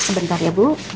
sebentar ya ibu